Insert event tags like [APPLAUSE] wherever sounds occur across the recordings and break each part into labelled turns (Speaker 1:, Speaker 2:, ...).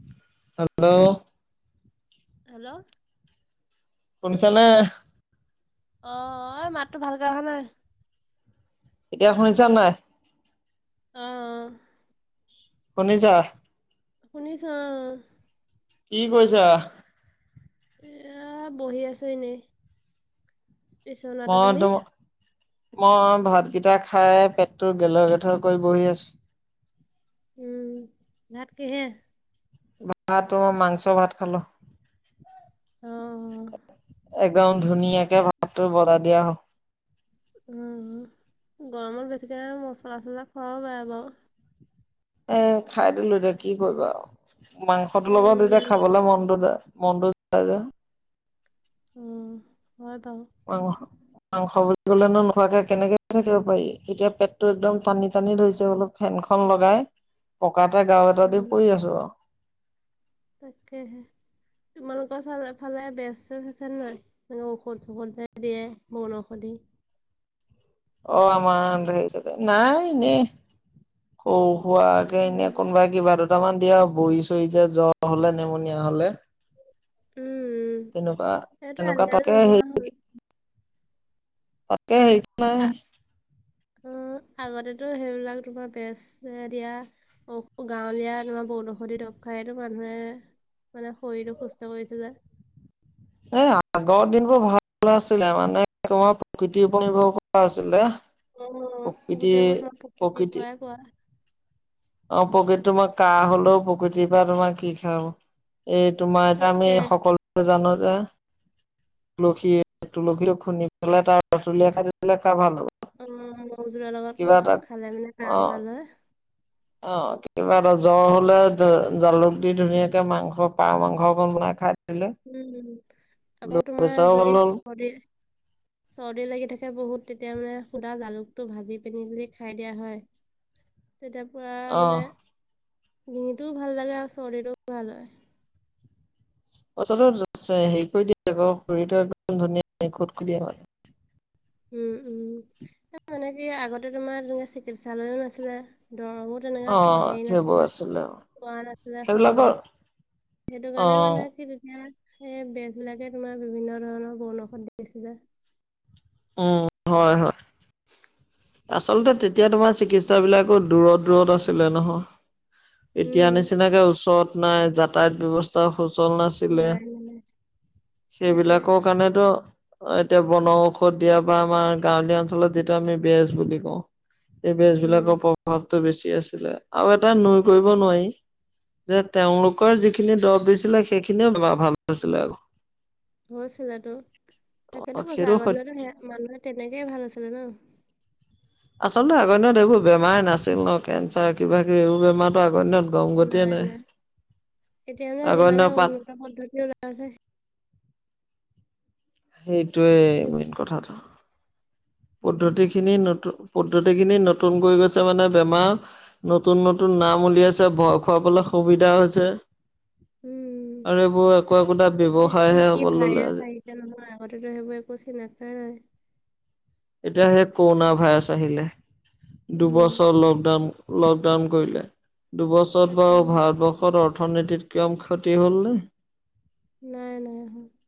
Speaker 1: [UNINTELLIGIBLE]
Speaker 2: Hello
Speaker 1: hello
Speaker 2: শুনিছানে
Speaker 1: অ এ মাতটো ভালকে অহা নাই
Speaker 2: এতিয়া শুনিছা নাই
Speaker 1: অঁ
Speaker 2: শুনিছা
Speaker 1: শুনিছ
Speaker 2: কি কৈছা
Speaker 1: এইয়া বহি আছো এনেই বিচনাতে
Speaker 2: অঁ
Speaker 1: তুমি
Speaker 2: তম মই ভাতকেইটা খাই পেটতো গেল গেথ কৰি বহি আছো
Speaker 1: উম ভাত কিহে
Speaker 2: ভাত মাংস ভাত খালো
Speaker 1: অ অ
Speaker 2: একদম ধুনীয়াকে ভাতটো বনাই দিয়া হ
Speaker 1: উম', গৰমত বেছিকে মছলা-চছলা খুৱাও বেয়া বাৰু
Speaker 2: এ, খাই দিলো দে, কি কৰিবা আৰু মাংসটো লগত এতিয়া
Speaker 1: উম
Speaker 2: খাবলে মনটো যায়, মনটো যায় যে
Speaker 1: উম', হয় ত
Speaker 2: [UNINTELLIGIBLE] মাংস বুলি কলে নো নোখোৱাকে কেনেকে থাকিব পাৰি? এতিয়া পেটটো একদম টানি-টানি ধৰিছে অলপ ফেনখন লগাই, পকাতে গাৰো
Speaker 1: অ
Speaker 2: এটা দি পৰি আছো আৰু
Speaker 1: তাকেহে, তোমালোকৰ ফালে বেচ-চেজ আছে নাই? ঔষধ-চৌষধ যে দিয়ে, বনঔষধি
Speaker 2: অঁ! [UNINTELLIGIBLE] নাই এনে সৰু-সুৰাকে এনেই
Speaker 1: উম
Speaker 2: কোনোবাই [INAUDIBLE] কিবা দুটামান দিয়ে আৰু বৰি-চৰি যে, জ্বৰ হলে, নেমনীয়া হলে [UNINTELLIGIBLE]
Speaker 1: উম!
Speaker 2: তেনেকুৱা
Speaker 1: সেইটোৱে
Speaker 2: তেনেকুৱা
Speaker 1: আজিকালি
Speaker 2: তাকে হেৰি
Speaker 1: নোহোৱা হ'ল। [INAUDIBLE]
Speaker 2: তাকে [UNINTELLIGIBLE] নাই। [INAUDIBLE]
Speaker 1: উম! আগতেটো সেইবিলাক তোমাৰ বেচয়ে দিয়া। [INAUDIBLE] [INAUDIBLE] গাঁৱলীয়া তোমাৰ বনৌষধি দৰৱ খায়তো মানুহে মানে শৰীৰটো সুস্থ কৰিছে যে। [INAUDIBLE]
Speaker 2: এ আগৰ দিনবোৰ ভাল আছিলে, মানে তোমাৰ প্ৰকৃতিৰ ওপৰত নিৰ্ভৰ কৰা আছিলে। [INAUDIBLE]
Speaker 1: উম!
Speaker 2: প্ৰকৃতি
Speaker 1: গোটেইবোৰ তোমাৰ প্ৰাকৃতিৰ
Speaker 2: প্ৰকৃতি
Speaker 1: পৰাই পোৱা। [UNINTELLIGIBLE]
Speaker 2: অ! [UNINTELLIGIBLE] প্ৰকৃত তোমাৰ কাঁহ হলেও, প্ৰকৃতিৰ পৰা তোমাৰ কি খাম [INAUDIBLE] এই তোমাৰ এটা আমি
Speaker 1: তাকে
Speaker 2: সকলো [UNINTELLIGIBLE] জানো যে তুলসী-তুলসী খুন্দি পেলাই তাৰ [UNINTELLIGIBLE] পিলে কাঁহ ভাল হ'ব।
Speaker 1: উম! মৌ জোলৰ
Speaker 2: কিবা
Speaker 1: লগতটো
Speaker 2: এটা
Speaker 1: খালে মানে কাঁহ ভাল হয়।
Speaker 2: অঁ! কেতিয়াবা এটা জ্বৰ হলে জালুক দি ধুনীয়াকে মাংস পাৰ মাংস অকণ বনাই খাই দিলে [INAUDIBLE]
Speaker 1: উম! আকৌ তোমাৰ
Speaker 2: পইচাও ভাল হ'ল
Speaker 1: যদি, চৰ্দি [INAUDIBLE] চৰ্দি লাগি থাকে বহুত, তেতিয়া মানে সুদা জালুকটো ভাজি পিনি যদি খাই দিয়া হয় [INAUDIBLE] তেতিয়া পুৰা
Speaker 2: অ',
Speaker 1: মানে ডিঙিটোও ভাল লাগে, আৰু চৰ্দিটোও ভাল হয়। [UNINTELLIGIBLE]
Speaker 2: [UNINTELLIGIBLE] [INAUDIBLE]
Speaker 1: উম-উম! মানে কি আগতে তোমাৰ তেনে চিকিৎসালয়ো নাছিলে, দৰবো [INAUDIBLE] তেনেকা [UNINTELLIGIBLE]
Speaker 2: অ',
Speaker 1: হেৰি
Speaker 2: সেইবোৰ
Speaker 1: নাছিলে,
Speaker 2: আছিলে অ',
Speaker 1: পোৱা নাছিলে
Speaker 2: সেইবিলাকৰ
Speaker 1: সহজত। সেইটো কাৰণে
Speaker 2: অ',
Speaker 1: মানে কি, তেতিয়া [INAUDIBLE] সেই বেজবিলাকে তোমাৰ বিভিন্ন ধৰণৰ বন ঔষধ দিছিলে। [UNINTELLIGIBLE]
Speaker 2: উম! হয়-হয়। [UNINTELLIGIBLE] আচলতে তেতিয়া তোমাৰ চিকিৎসা বিলাকো দূৰত-দূৰত আছিলে নহয়। [INAUDIBLE] এতিয়া
Speaker 1: উম,
Speaker 2: নিচিনাকে ওচৰত নাই, যাতায়ত ব্যৱস্থ [INAUDIBLE] [UNINTELLIGIBLE] সুচল নাছিলে,
Speaker 1: নাই মানে সেইটোৱে
Speaker 2: সেইবিলাকক কাৰণেতো এতিয়া বনৌ [INAUDIBLE] [UNINTELLIGIBLE] দিয়া বা আমাৰ গাঁৱলীয়া অঞ্চলত যিটো আমি বেজ বুলি কওঁ, এই বেজ
Speaker 1: উম।
Speaker 2: বিলাকৰ ভাৱটো বেছি আছিলে, আৰু এটা নুই কৰিব নোৱাৰি। [INAUDIBLE] যে তেওঁলোকৰ যিখিনি দৰব দিছিলে সেইখিনিয়েও বেমাৰ ভাল হৈছিলে আকৌ। [INAUDIBLE]
Speaker 1: হৈছিলেতো, তাকেতো কৈছো
Speaker 2: সেইটো
Speaker 1: আগৰ
Speaker 2: সত্য
Speaker 1: দিনতো সেয়া মানুহে তেনেকেই ভাল হৈছিলে ন। [INAUDIBLE]
Speaker 2: আচলতে আগৰ দিনত এইবোৰ বেমাৰ নাছিল ন, কেঞ্চাৰ কিবাকিবি এইবোৰ বেমাৰতো আগত দিনত [UNINTELLIGIBLE] নাই
Speaker 1: নাই-নাই। এতিয়া মানে
Speaker 2: আগৰ
Speaker 1: যিমানে
Speaker 2: দিনৰ পাত
Speaker 1: উন্নত পদ্ধতি ওলাই আছে [INAUDIBLE]
Speaker 2: সেইটোৱেই মেইন কথাটো। [UNINTELLIGIBLE]
Speaker 1: উম,
Speaker 2: পদ্ধতিখিনি নতুন পদ্ধতিখিনি নতুন কৰি গৈছে মানে বেমাৰ। [UNINTELLIGIBLE] নতুন-নতুন নাম উলিয়াইছে, ভয় খুৱাবলৈ সুবিধা হৈছে। [INAUDIBLE]
Speaker 1: উম।
Speaker 2: আৰু এইবোৰ একো-একোটা
Speaker 1: কি
Speaker 2: ব্যৱসায়হে
Speaker 1: কি
Speaker 2: হব ললে।
Speaker 1: ভাইৰাছ
Speaker 2: [INAUDIBLE]
Speaker 1: আহিছে এতিয়া নহয় আগতেতো সেইবোৰ একো চিনি নেপায় নহয়। [INAUDIBLE]
Speaker 2: এতিয়া সেই কৰোণা ভাইৰাছ আহিলে
Speaker 1: উম,
Speaker 2: দুবছৰ লকডাউন। [INAUDIBLE] লকডাউন কৰিলে দুবছৰত
Speaker 1: তাকে।
Speaker 2: বাৰু ভাৰতবৰ্ষ [UNINTELLIGIBLE] দেশত অৰ্থনীতিত কম ক্ষতি হ'লনে। [INAUDIBLE]
Speaker 1: নাই-নাই হোৱা। [INAUDIBLE]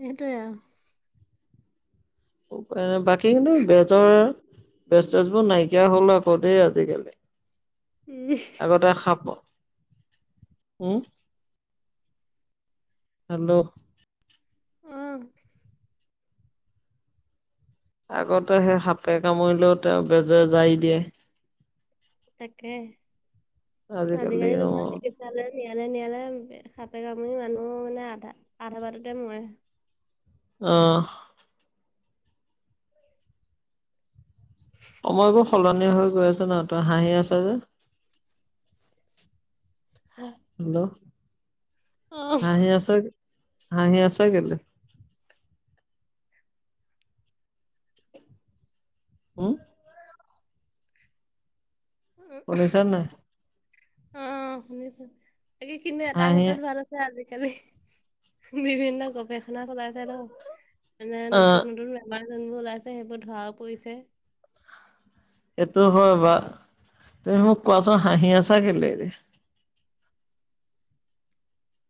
Speaker 1: সেইটোৱে আৰু। [UNINTELLIGIBLE]
Speaker 2: বাকী কিন্তু বেজৰ, বেজ-চেজবোৰ নাইকিয়া হ'ল আকৌ দেই আজিকালি। [UNINTELLIGIBLE]
Speaker 1: উম
Speaker 2: আগতে সাপ [INAUDIBLE] উ', হেল্ল'।
Speaker 1: উম।
Speaker 2: আগতে সেই সাপে কামুৰিলেও তেওঁ বেজে জাৰি দিয়ে।
Speaker 1: তাকে
Speaker 2: আজিকালি
Speaker 1: আজিকাকি
Speaker 2: অ
Speaker 1: তোমাৰ চিকিৎ নিয়ালে নিয়ালে নিয়ালে সাপে কামুৰি মানুহ মানে আধা আধা বাটতে মৰে।
Speaker 2: অ'। সময়বোৰ সলনি হৈ গৈ আছে ন তই হাঁহি আছ যে।
Speaker 1: হয়।
Speaker 2: হেল্ল' হাঁহি আছ হাঁহি আছ কেইলে। হম।
Speaker 1: অ',
Speaker 2: শুনিছা নাই
Speaker 1: অ', শুনিছোঁ বাকী কিন্তু এটা
Speaker 2: হাঁহি
Speaker 1: ক্ষেত্ৰত ভাল হ'ল। আজিকালি বিভিন্ন গৱেষণা চলাইছে ন। মানে
Speaker 2: অ
Speaker 1: নতুন নতুন বেমাৰ যোনবোৰ ওলাইছে সেইবোৰ ধৰা পৰিছে।
Speaker 2: এইটো হয় বা তুমি মোক কোৱাচোন হাঁহি আছা কেইলে এতিয়া।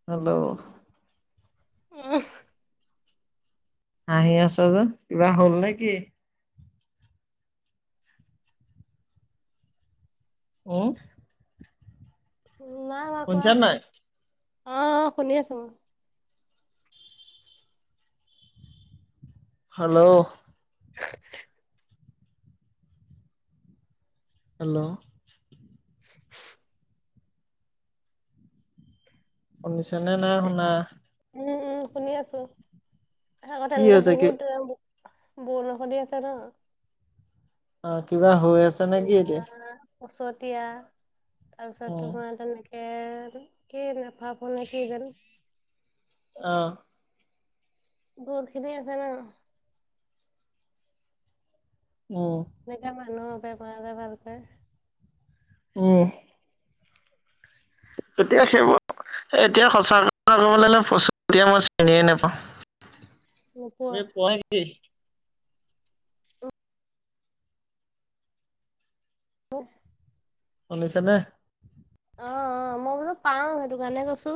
Speaker 2: হেল্ল'।
Speaker 1: উম।
Speaker 2: হাঁহি আছা যে কিবা হ'ল নেকি। উম।
Speaker 1: উম নাই হোৱা কোৱা
Speaker 2: শুনিছা নাই
Speaker 1: অ', অ', শুনি আছোঁ।
Speaker 2: হেল্ল'।
Speaker 1: [UNINTELLIGIBLE]
Speaker 2: হেল্ল'।
Speaker 1: [UNINTELLIGIBLE]
Speaker 2: শুনিছা নে নাই শুনা।
Speaker 1: উম, উম শুনি আছোঁ আগত
Speaker 2: কি
Speaker 1: এনেকে
Speaker 2: হৈছে কি
Speaker 1: বহুত টাইম। বৰষুণ দি আছে ন।
Speaker 2: অ', কিবা হৈ আছে। নে কি এতিয়া
Speaker 1: তোমাৰ পছতীয়া তাৰপিছত
Speaker 2: উম
Speaker 1: তোমাৰ তেনেকে এন কি নেফাফু নে কি জানো।
Speaker 2: অ'।
Speaker 1: বল খেলি আছা ন।
Speaker 2: উম।
Speaker 1: যেতিয়া মানুহৰ বাবে কৰা যায় ভাল পায়।
Speaker 2: উম। এতিয়া সেইবোৰ এতিয়া সঁচা কথা ক'বলৈ গলে প্ৰচতিয়া মই চিনিয়ে নেপাওঁ।
Speaker 1: [INAUDIBLE]
Speaker 2: এই পঢ়ে কি?
Speaker 1: উ। [UNINTELLIGIBLE]
Speaker 2: শুনিছেনে।
Speaker 1: অ', অ', মই বোলো পাওঁ সেইটো কাৰণে কৈছোঁ।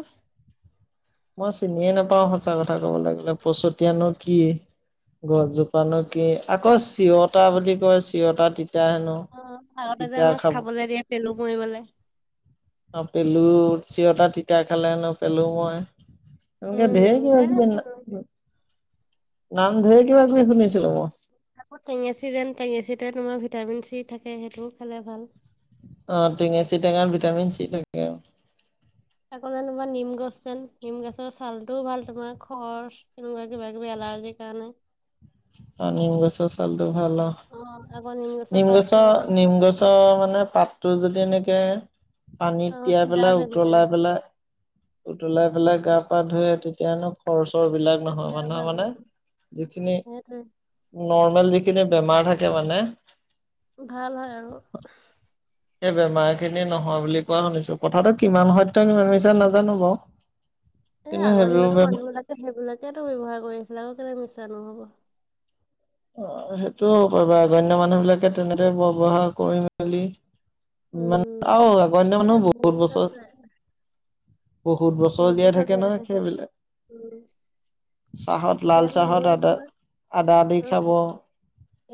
Speaker 2: মই চিনিয়ে নাপাও সঁচা কথা ক'ব লাগিলে পছতীয়ানো কি? গছজোপানো কি আকৌ চিৰতা বুলি কয় চিৰতা তিতা হেনো।
Speaker 1: অ', আগতে যে
Speaker 2: তিতা
Speaker 1: আমাক
Speaker 2: খাব
Speaker 1: খাবলৈ দিয়ে পেলু মৰিবলৈ।
Speaker 2: আৰু পেলু চিৰতা তিতা খালে ন পেলু মৰে। এনেকে ঢেৰ
Speaker 1: উম
Speaker 2: কিবা
Speaker 1: ধেৰ
Speaker 2: কিবি
Speaker 1: আছে
Speaker 2: আনিলে নাম ঢেৰ কিবা কিবি শুনিছিলোঁ।
Speaker 1: আকৌ টেঙেচি যেন টেঙেচিতে তোমাৰ ভিটামিন চি থাকে সেইটোও খালে ভাল।
Speaker 2: অহ তেঙেচি টেঙাত বিটামিন চি থাকে।
Speaker 1: আকৌ যেনিবা নিম গছ যেন নিম গছৰ ছালটোও ভাল তোমাৰ খৰ চ। এনেকুৱা কিবা কিবি এৰ্লাজি কাৰণে।
Speaker 2: অ নিম গছৰ ছালটো ভাল অ
Speaker 1: আকৌ গছৰ
Speaker 2: নিম
Speaker 1: পাতটো
Speaker 2: গছৰ নিম গছ। অ মানে পাতটো যদি এনেকে পানীত
Speaker 1: অ',
Speaker 2: তিয়াই
Speaker 1: সিজাই
Speaker 2: পেলাই
Speaker 1: পিনি অ',
Speaker 2: উতলাই পেলাই। উতলাই পেলাই গা পা ধুৱে তেতিয়ানো। খৰ চৰ বিলাক নহয়
Speaker 1: তেতিয়া
Speaker 2: মানুহে
Speaker 1: ভাল
Speaker 2: মানে
Speaker 1: বনাই
Speaker 2: যিখিনি।
Speaker 1: সেইটোৱে।
Speaker 2: নৰ্মেল যিখিনি বেমাৰ থাকে মানে।
Speaker 1: ভাল হয় আৰু‌ উহ।
Speaker 2: এই বেমাৰ খিনি নহয় বুলি কোৱা শুনিছো কথাটো কিমান সত্য কিমান মিছা নাজানো বাও।
Speaker 1: এ আগৰ দিনতো মানুহ বিলাকে সেইবিলাকেইতো ব্যৱহাৰ কৰি আছিলে আকৌ কেলে মিছা নহ'ব।
Speaker 2: অহ সেইটো হ'ব পাৰে আগৰ দিনৰ মানুহ বিলাকে তেনেদৰে ব্যৱহাৰ কৰি মেলি। ইমান
Speaker 1: উম।
Speaker 2: আও আগৰ দিনৰ
Speaker 1: এ
Speaker 2: মানুহ বহুত বছৰ।
Speaker 1: আছে
Speaker 2: বহুত বছৰ জীয়াই থাকে নহয় সেইবিলাক।
Speaker 1: উম,
Speaker 2: চাহত লাল
Speaker 1: এতিয়া
Speaker 2: চাহত
Speaker 1: মানুহে
Speaker 2: আদা
Speaker 1: তোমাৰ
Speaker 2: আদা দি খাব।
Speaker 1: অ',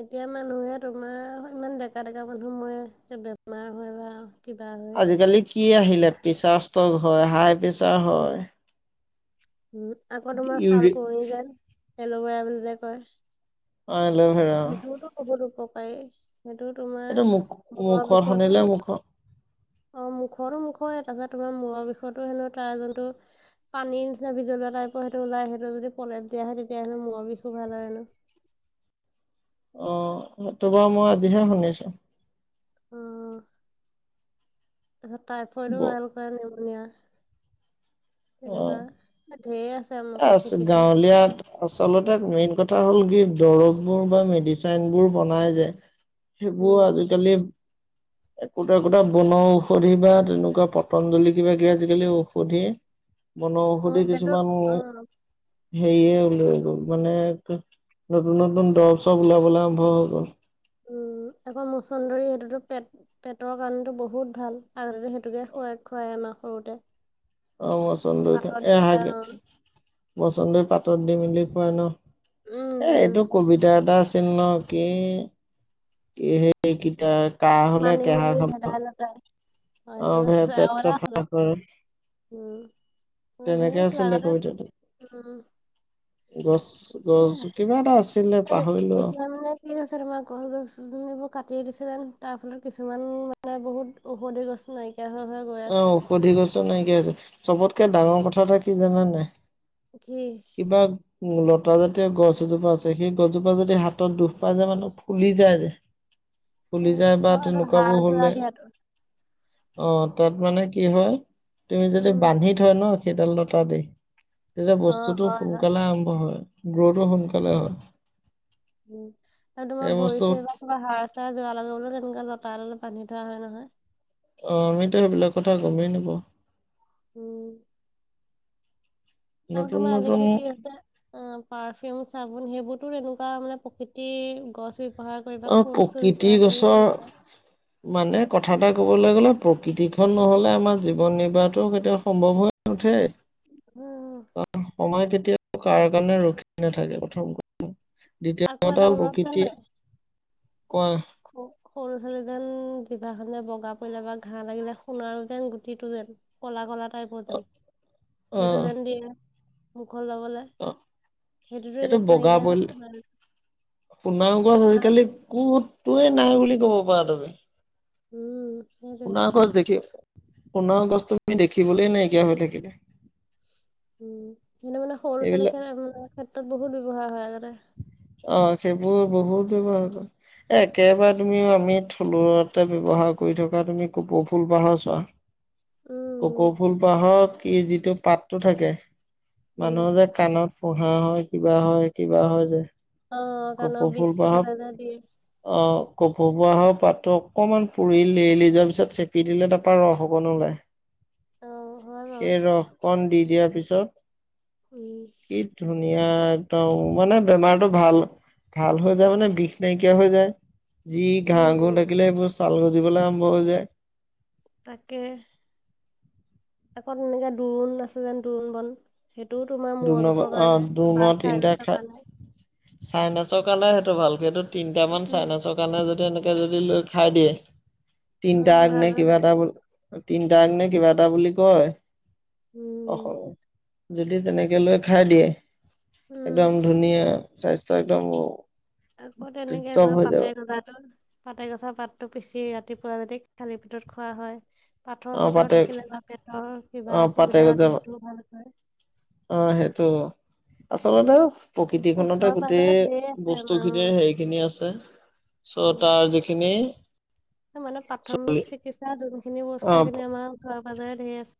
Speaker 1: এতিয়া মানুহে তোমাৰ ইমান ডেকা ডেকা মানুহ মৰে বেমাৰ হয় বা কিবা হয়।
Speaker 2: আজিকালি কি আহিলে প্ৰেছাৰ ষ্টক হয় হাই প্ৰেছাৰ হয়।
Speaker 1: উম আকৌ তোমাৰ ছাল
Speaker 2: ইউৰি
Speaker 1: কুঁৱৰী যে এলভেৰা বুলি যে কয়।
Speaker 2: অহ এলভেৰা।
Speaker 1: সেইটোতো বহুত উপকাৰী সেইটো তোমাৰ
Speaker 2: এইটো মুখ
Speaker 1: মূৰৰ
Speaker 2: মুখত
Speaker 1: বিষতো।
Speaker 2: সানিলে মুখত
Speaker 1: অহ মুখৰতো মুখৰে তাৰপিছত তোমাৰ মূৰৰ বিষতো হেনো তাৰ যোনতো। পানীৰ নিচিনা বিজলোৱা টাইপৰ সেইটো উলাই সেইটো যদি প্ৰলেপ দিয়া হয় তেতিয়াহ'লে মূৰ বিষ ভাল হয় হেনো।
Speaker 2: অহ সেইটো বাৰু মই আজিহে শুনিছো।
Speaker 1: উম উম। তাৰপিছত টাইফয়ডো
Speaker 2: অ
Speaker 1: ভালকৰে নিমুনিয়া তেনেকুৱা ঢেৰ আছে আমাৰ
Speaker 2: এ আছে
Speaker 1: প্ৰকৃতিতে
Speaker 2: গাঁৱলীয়া। আচলতে মেইন কথা হ'ল কি দৰববোৰ বা মেডিচেনবোৰ বনাই যে। সেইবোৰ
Speaker 1: উম
Speaker 2: আজিকালি। একোটা একোটা বন ঔষধি বা তেনেকুৱা পতঞ্জলি কিবা কিবি আজিকালি ঔষধি।
Speaker 1: [UNINTELLIGIBLE]
Speaker 2: বনৌ
Speaker 1: অ
Speaker 2: ঔষধি
Speaker 1: এতিয়াতো
Speaker 2: কিছুমান
Speaker 1: অ
Speaker 2: হেৰিয়ে উলাই গল মানে। নতুন নতুন দৰব চৰব উলাবলৈ আৰম্ভ হৈ গ'ল।
Speaker 1: উম আকৌ মচন্দৰী সেইটোতো পেট পেটৰ কাৰণটো বহুত ভাল আগতেতো। সেইটোকে খুৱাই খুৱাই আমাক সৰুতে।
Speaker 2: অহ মচন্দৰীতো
Speaker 1: পাতত দিবা
Speaker 2: এহগে
Speaker 1: অ
Speaker 2: মচন্দৰী পাতত দি মেলি খুৱাই ন।
Speaker 1: উম
Speaker 2: এ এইটো
Speaker 1: উম
Speaker 2: কবিতা এটা আছিল ন কি কি সেই কিতাপ। কাঁহ হলে কেহা খাবা।
Speaker 1: তাতে
Speaker 2: অহ ভে পেট চাফা কৰে।
Speaker 1: উম ধেৰ
Speaker 2: তেনেকে আছিলে
Speaker 1: আগতে
Speaker 2: কবিতাটো।
Speaker 1: উম
Speaker 2: গছ গছ কিবা এটা আছিলে
Speaker 1: এই
Speaker 2: পাহৰিলোঁ আও।
Speaker 1: [UNINTELLIGIBLE] গছ গছনি এইবোৰ কাটিয়ে দিছে যেন। তাৰ ফলত কিছুমান মানে বহুত ঔষধি গছ নাই- কিয়া হৈ হৈ‌ গল।
Speaker 2: অ ঔষধি গছো নাইকিয়া হৈছে চবত- কে ডাঙৰ কথা এটা কি জানানে নাই?
Speaker 1: কি
Speaker 2: উ লতা জাতীয় গছ এজোপা আছে সেই গছজোপা যদি হাতত দুখ পাই যে মানে ফুলি যায় যে।
Speaker 1: অ
Speaker 2: ফুলি যায় বা
Speaker 1: অ
Speaker 2: তেনেকুৱাবোৰ
Speaker 1: হাড় যোৰা
Speaker 2: হলে
Speaker 1: দিয়া তো।
Speaker 2: অ তাত মানে কি হয়, তুমি যদি
Speaker 1: উম
Speaker 2: বান্ধি থয় ন- সেইডাল লতা দি, তেতিয়া
Speaker 1: অ
Speaker 2: বস্তুটো
Speaker 1: হয় হয়
Speaker 2: সোনকালে আৰম্ভ হয় গ্ৰতো সোনকালে।
Speaker 1: উম,
Speaker 2: হয়
Speaker 1: উম আৰু তোমাৰ
Speaker 2: এই
Speaker 1: ভৰি
Speaker 2: বস্তুত
Speaker 1: চৰি- বা হাৰ চাৰ যোৰা লগাবলে তেনেকুৱা লতা এডাল বান্ধি থোৱা হয় নহয়।
Speaker 2: অ আমিতো সেইবিলাক কথা গমেই নাপাওঁ।
Speaker 1: উম। আৰু
Speaker 2: নতুন
Speaker 1: তোমাৰ
Speaker 2: নতুন
Speaker 1: আজিকালি কি হৈছে। অ পাৰফিউম চাবোন সেইবোৰতো তেনেকুৱা মানে প্ৰকৃতিৰ গছ- ব্যৱহাৰ কৰি বা
Speaker 2: অ
Speaker 1: খৰি চৰি
Speaker 2: প্ৰকৃতি
Speaker 1: ব্যৱহাৰ কৰিয়ে
Speaker 2: গছৰ
Speaker 1: বনোৱা হয়।
Speaker 2: মানে কথা এটা ক'বলৈ গ'লে প্ৰকৃতি খন নহলে আমাৰ জীৱন নিৰ্বাহটোও কেতিয়া সম্ভৱ হয় - নুঠে।
Speaker 1: উম।
Speaker 2: অহ সময় কেতিয়াও কাৰ কাৰণে ৰখি নাথাকে প্ৰথম।
Speaker 1: আকৌ এটা
Speaker 2: দ্বিতীয়তে
Speaker 1: মনত
Speaker 2: প্ৰকৃতিয়ে কয়।
Speaker 1: অ। সৰু ছোৱালী যেন জিভাখনে বগা পৰিলে বা ঘাঁহ লাগিলে সোণাৰো যেন গুটিটো যেন- কলা কলা টাইপৰ যেন,
Speaker 2: অ
Speaker 1: সেইটো যেন দিয়ে মুখত লবলে।
Speaker 2: অ
Speaker 1: সেইটোত যে নাই কিয়া হৈছে।
Speaker 2: সোনাও গছ আজিকালি কতটোৱে নাই বুলি ক'ব পৰা তুমি।
Speaker 1: উম সেইটোৱে
Speaker 2: সোণাৰু গছ দেখি, সোণাৰু গছ তুমি দেখিবলৈ নাইকিয়া হৈ থাকিলে।
Speaker 1: উম যেনে মানে সৰু ছোৱালী
Speaker 2: এইবিলাক
Speaker 1: খেলা মানে ক্ষেত্ৰত বহুত ব্যৱহাৰ হয় আগতে।
Speaker 2: অ সেইবোৰ বহুত ব্যৱহাৰ হয়। এ একেবাৰে তুমিও আমি থলুৱতে ব্যৱহাৰ কৰি থকা তুমি কপৌ ফুল পাহে চোৱা। কোপৌ
Speaker 1: উম
Speaker 2: ফুলপাহক ই যিটো পাতটো থাকে
Speaker 1: উম
Speaker 2: মানুহৰ যে- কাণত পোহা হয় কিবা হয় কিবা হয় যে।
Speaker 1: অ কাণৰ
Speaker 2: কপৌ
Speaker 1: বিষ
Speaker 2: ফুল
Speaker 1: চিষ
Speaker 2: পাহত
Speaker 1: হ'লে যে দিয়ে।
Speaker 2: অ কোপৌ পাহৰ পাতো অকণমান পুৰি লেৰিলি যোৱাৰ পিছত চেপি দিলে তাৰ পৰা ৰস অকণ ওলায়।
Speaker 1: অ হয় বাৰু
Speaker 2: সেই ৰসকণ দি দিয়াৰ পিছত।
Speaker 1: উম।
Speaker 2: কি ধুনীয়া একদম মানে বেমাৰটো ভাল- ভাল হৈ যায় মানে বিষ নাইকিয়া হৈ যায় যি ঘাঁহ ঘূন
Speaker 1: উম
Speaker 2: থাকিলে এইবোৰ চাল গছ- জিবলৈ আৰম্ভ হৈ যায়।
Speaker 1: তাকে, আকৌ এনেকে দোৰণ আছে যেন দোৰণ বন। সেইটোও তোমাৰ মূৰ
Speaker 2: দুনৰ
Speaker 1: বিষয়ৰ
Speaker 2: অ
Speaker 1: কাৰণে বা চাই নাচৰ কাৰণে।
Speaker 2: চাইনাচৰ কাৰণে সেইটো ভাল সেইটো তিনিটা মান
Speaker 1: উম
Speaker 2: চাইনাচৰ- যদি এনেকে যদি লৈ খাই দিয়ে,
Speaker 1: অ
Speaker 2: তিনটা আগ নে
Speaker 1: ভাল হৈ
Speaker 2: কিবা
Speaker 1: যায়
Speaker 2: এটা বোল- তিনিটা আগনে কিবা এটা বুলি কয়।
Speaker 1: উম।
Speaker 2: অসমত যদি তেনেকৈ লৈ খাই দিয়ে,
Speaker 1: উম
Speaker 2: একদম ধুনীয়া। স্বাস্থ্য একদম অ।
Speaker 1: আকৌ তেনেকে পাতে গজাটো। পাতে গজা পাতটো পিচি ৰাতিপুৱা যদি খালি পিটত খোৱা হয়। পাথৰ
Speaker 2: অ
Speaker 1: চাথৰ
Speaker 2: পাতে
Speaker 1: থাকিলে বা পেটৰ কিবা
Speaker 2: অ পাতে
Speaker 1: অসুবিধা হ'লে
Speaker 2: যাব
Speaker 1: সেইটোও ভাল হয়।
Speaker 2: অ সেইটো, আচলতে প্ৰকৃতিখনতে
Speaker 1: ওচৰে পাজৰে
Speaker 2: গোটেই,
Speaker 1: ঢেৰ আছে
Speaker 2: বস্তু
Speaker 1: আমাৰ অ
Speaker 2: খিনিৰ হেৰি খিনি আছে। চ'
Speaker 1: উম
Speaker 2: তাৰ যিখিনি
Speaker 1: মানে প্ৰাথমিক চিকিৎসা যোনখিনি বস্তু
Speaker 2: অ
Speaker 1: এইখিনি আমাৰ ওচৰে-পাজৰে ধেৰ আছে।